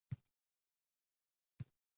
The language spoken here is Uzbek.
Men demokratman.